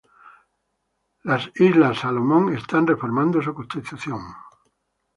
Las Islas Salomón están reformando su Constitución.